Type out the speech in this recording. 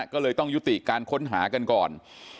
ก็เลยต้องยุติการค้นหากันก่อน